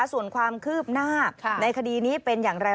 ส่วนความคืบหน้าในคดีนี้เป็นอย่างไร